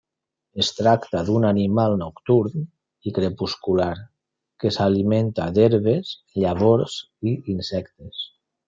Es tracta d'un animal nocturn i crepuscular que s'alimenta d'herbes, llavors i insectes.